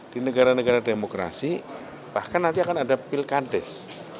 di negara negara demokrasi bahkan nanti akan ada pilkadas